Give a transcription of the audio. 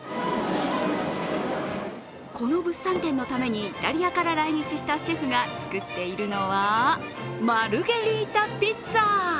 この物産展のために、イタリアから来日したシェフが作っているのは、マルゲリータピッツァ。